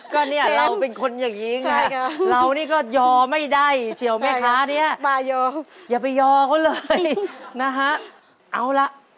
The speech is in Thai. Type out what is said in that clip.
ก็เนี่ยเราเป็นคนอย่างนี้ไงเรานี่ก็ยอไม่ได้เฉียวแม่ค้าเนี่ยอย่าไปยอเขาเลยนะฮะเอาละ